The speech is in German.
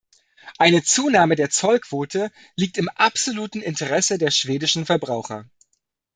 Eine Zunahme der Zollquote liegt im absoluten Interesse der schwedischen Verbraucher.